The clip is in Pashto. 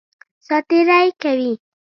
سات تېری کوي.